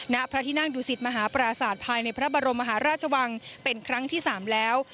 ณพระที่นั่งดูสิตมหาปราศาสตร์ภายในพระบรมมหาราชวังเป็นครั้งที่๓แล้ว